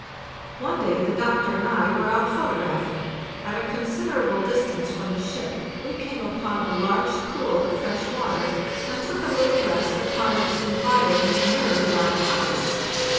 One day the doctor and I were out photographing. At a considerable distance from the ship we came upon a large pool of fresh water, and took a little rest upon its inviting, mirror like ice.